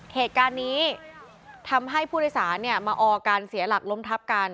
เหตุการณ์นี้ทำให้ผู้โดยสารมาออกันเสียหลักล้มทับกัน